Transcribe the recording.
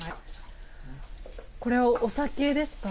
これはお酒ですか？